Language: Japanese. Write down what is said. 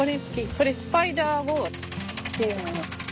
これスパイダーウォーズっていうのよ。